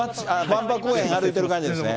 万博公園歩いてる感じですね。